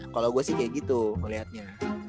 kalau gue sih kayak gitu ngeliatnya